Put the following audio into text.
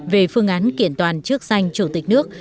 về phương án kiện toàn trước danh chủ tịch nước